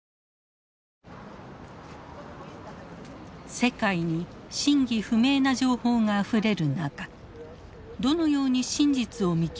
世界に真偽不明な情報があふれる中どのように真実を見極めればいいのか